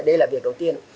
đây là việc đầu tiên